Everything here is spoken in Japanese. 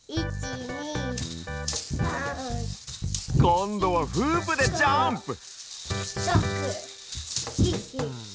こんどはフープでジャンプ！